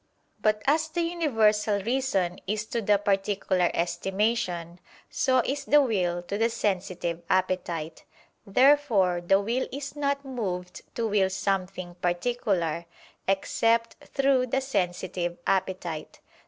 But as the universal reason is to the particular estimation, so is the will to the sensitive appetite. Therefore the will is not moved to will something particular, except through the sensitive appetite.